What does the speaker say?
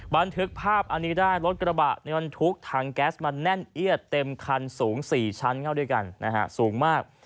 บันทึกภาพอันนี้ได้รถกระบะบรรทุกถังแก๊สมันแน่นเอียดเต็มคันสูง๔ชั้นเข้าด้วยกันนะฮะสูงมาก